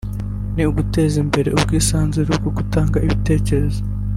no guteza imbere ubwisanzure mu gutanga ibitekerezo